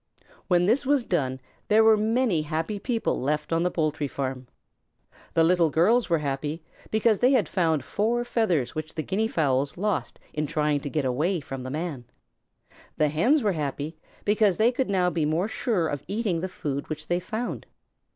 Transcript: When this was done there were many happy people left behind on the poultry farm. The Little Girls were happy, because they had found four feathers which the Guinea fowls lost in trying to get away from the Man. The Hens were happy, because they could now be more sure of eating the food which they found.